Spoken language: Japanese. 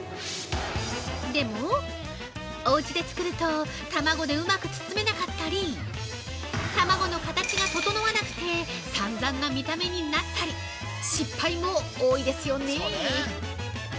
でもおうちで作ると、卵でうまく包めなかったり卵の形が整わなくて散々な見た目になったり失敗も多いですよね。